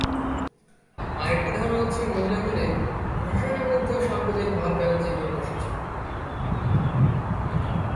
আরেকটি ধারণা হচ্ছে, মোদির আমলে প্রশাসনের মধ্যেও সাম্প্রদায়িক ভাবধারা জেঁকে বসেছে।